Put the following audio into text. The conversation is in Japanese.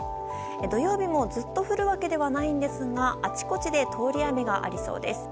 土曜日もずっと降るわけではないんですが、あちこちで通り雨がありそうです。